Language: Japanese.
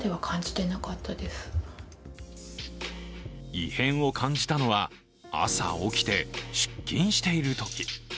異変を感じたのは朝起きて出勤しているとき。